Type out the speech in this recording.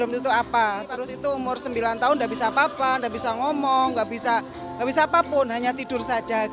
makhluk sepuluh bingung zoan yoang